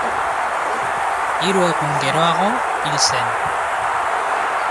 Hiru egun geroago hil zen.